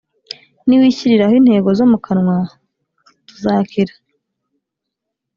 Niwishyiriraho intego zo mukanwa tuzakira